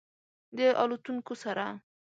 د الوتونکو سره